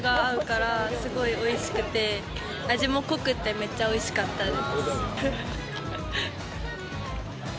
みそと牛肉が合うから、すごいおいしくて、味も濃くってめっちゃおいしかったです。